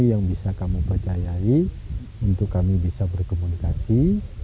yang bisa kamu percayai untuk kami bisa berkomunikasi